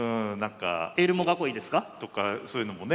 エルモ囲いですか？とかそういうのもね